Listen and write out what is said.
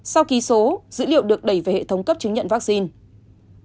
sau ký số dữ liệu được đẩy về hệ thống cấp chứng nhận vaccine